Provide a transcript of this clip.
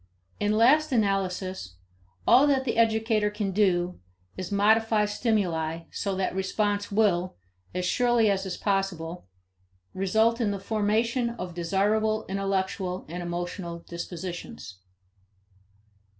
In last analysis, all that the educator can do is modify stimuli so that response will as surely as is possible result in the formation of desirable intellectual and emotional dispositions.